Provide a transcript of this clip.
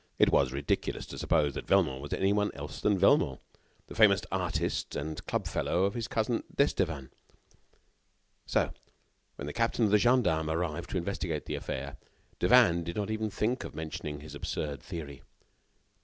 It was ridiculous to suppose that Velmont was anyone else than Velmont, the famous artist, and club fellow of his cousin d'Estevan. So, when the captain of the gendarmes arrived to investigate the affair, Devanne did not even think of mentioning his absurd theory.